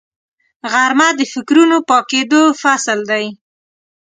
غرمه د فکرونو پاکېدو فصل دی